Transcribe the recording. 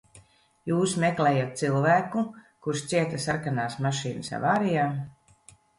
Jūs meklējat cilvēku, kurš cieta sarkanās mašīnas avārijā?